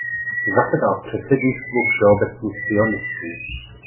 Zasedal v předsednictvu Všeobecných sionistů.